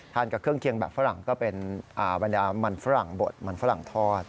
กับเครื่องเคียงแบบฝรั่งก็เป็นบรรดามันฝรั่งบดมันฝรั่งทอด